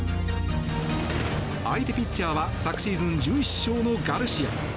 相手ピッチャーは昨シーズン１１勝のガルシア。